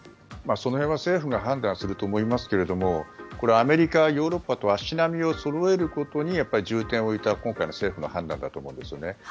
その辺は政府が判断すると思いますけどこれ、アメリカ、ヨーロッパと足並みをそろえることに重点を置いた今回の政府の判断だと思うんですね。